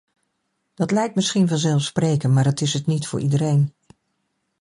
Dat lijkt misschien vanzelfsprekend, maar dat is het niet voor iedereen.